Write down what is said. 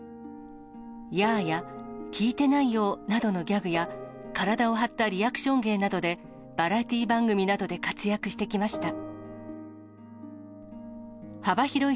ヤー！や聞いてないよォなどのギャグや、体を張ったリアクション芸などで、バラエティー番組などで活躍してきました。